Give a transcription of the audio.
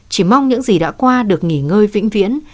chỉ mong những gì đã qua được nghỉ ngơi vĩnh viễn